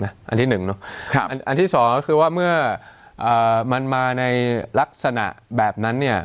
อันที่หนึ่งเนอะอันที่สองก็คือว่าเมื่อมันมาในลักษณะแบบนั้นเนี่ย